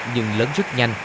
nhưng lớn rất nhanh